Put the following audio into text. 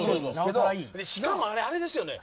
しかも、あれですよね。